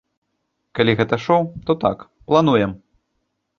Калі гэта шоў, то так, плануем!